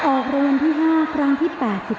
ออกรางวัลที่๕ครั้งที่๘๔